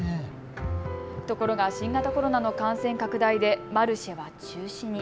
ところが新型コロナの感染拡大でマルシェは中止に。